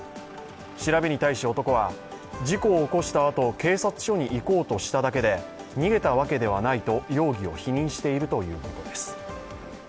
調べに対し男は、事故を起こしたあと、警察署に行こうとしただけで逃げたわけではないと容疑を否認しているということです。